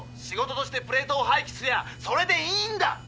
仕事としてプレートをはいきすりゃそれでいいんだ。